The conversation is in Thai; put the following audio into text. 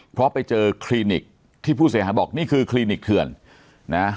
เพราะไปเจอคลินิกที่ผู้เสียหายบอกนี่คือคลินิกเถื่อนนะ